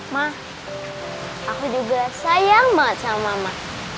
ma aku juga sayang banget sama ma